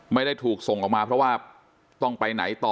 ไม่ได้ถูกส่งออกมาเพราะว่าต้องไปไหนต่อ